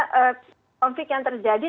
konflik yang terjadi